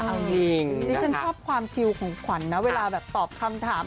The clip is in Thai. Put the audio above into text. เอาจริงดิฉันชอบความชิวของขวัญนะเวลาแบบตอบคำถาม